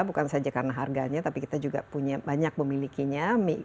bukan saja karena harganya tapi kita juga punya banyak memilikinya